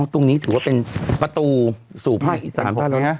ตรงนี้ถือว่าเป็นประตูสู่ภาคอีสานของเรานะ